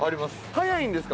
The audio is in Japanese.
速いんですか？